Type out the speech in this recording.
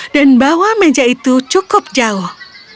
dan bawalah meja itu cukup jauh